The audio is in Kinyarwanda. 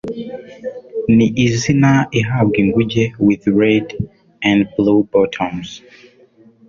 Ni izina ihabwa inguge With Red & Blue Bottoms